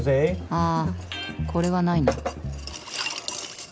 あぁこれはないな。